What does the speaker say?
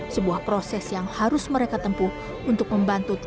sebuah proses yang harus mereka tempuh untuk membantu tubuh